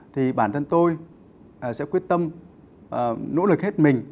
thì bản thân tôi sẽ quyết tâm nỗ lực hết mình